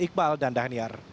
iqbal dan dhaniar